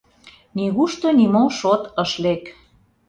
— Нигушто нимо шот ыш лек.